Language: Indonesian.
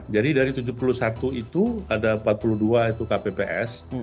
jadi dari tujuh puluh satu itu ada empat puluh dua itu kpps